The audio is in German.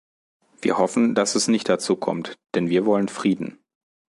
Wir hoffen, dass es nicht dazu kommt, denn wir wollen Frieden.